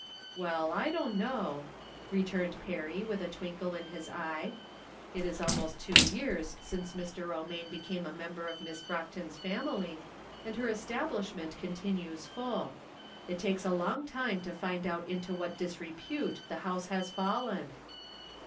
" Well, I don't know," returned Perry, with a twinkle in his eye. " It is almost two years since Mr. Romaine became a member of Miss Brock ton's famUy, and her establishment continues full. It takes people a long time to find out into what disrepute the house has fallen